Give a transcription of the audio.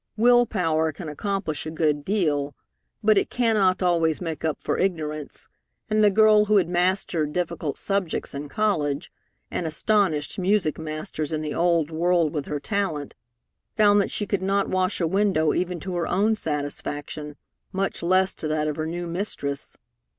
Will power can accomplish a good deal, but it cannot always make up for ignorance, and the girl who had mastered difficult subjects in college, and astonished music masters in the old world with her talent, found that she could not wash a window even to her own satisfaction, much less to that of her new mistress.